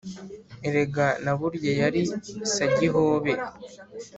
Erega na burya yari Sagihobe